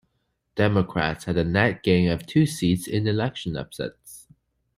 Democrats had a net gain of two seats in election upsets.